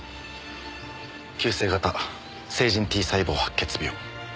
急性型成人Ｔ細胞白血病。